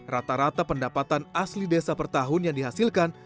rata rata pendapatan asli desa per tahun yang dihasilkan